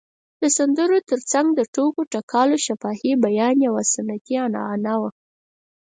د سندرو تر څنګ د ټوکو ټکالو شفاهي بیان یوه سنتي عنعنه وه.